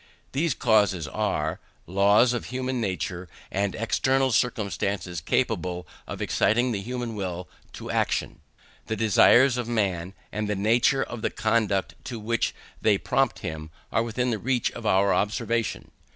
These causes are, laws of human nature, and external circumstances capable of exciting the human will to action. The desires of man, and the nature of the conduct to which they prompt him, are within the reach of our observation.